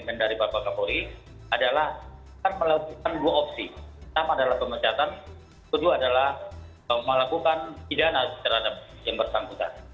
kedua adalah melakukan pidana terhadap yang bersangkutan